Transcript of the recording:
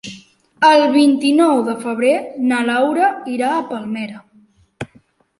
El vint-i-nou de febrer na Laura irà a Palmera.